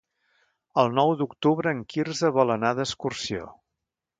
El nou d'octubre en Quirze vol anar d'excursió.